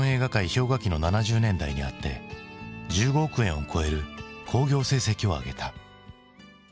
氷河期の７０年代にあって１５億円を超える興行成績を挙げた。